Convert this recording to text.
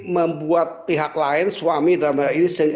membuat pihak lain suami dan baik baik ini